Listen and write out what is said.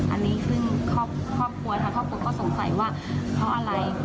อันนี้ซึ่งครอบครัวทางครอบครัวก็สงสัยว่าเพราะอะไร